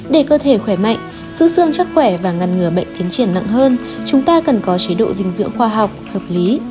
để cơ thể khỏe mạnh giữ xương chắc khỏe và ngăn ngừa bệnh tiến triển nặng hơn chúng ta cần có chế độ dinh dưỡng khoa học hợp lý